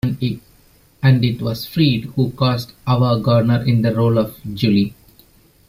And it was Freed who cast Ava Gardner in the role of Julie.